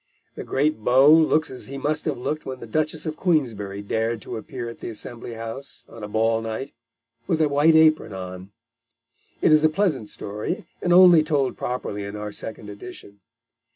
The great Beau looks as he must have looked when the Duchess of Queensberry dared to appear at the Assembly House on a ball night with a white apron on. It is a pleasant story, and only told properly in our second edition.